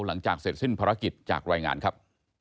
หลังจากเสร็จสิ้นภารกิจจากรายงานครับ